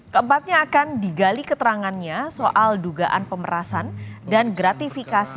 keempatnya akan digali keterangannya soal dugaan pemerasan dan gratifikasi